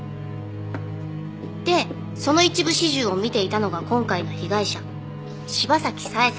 でその一部始終を見ていたのが今回の被害者柴崎佐江さん。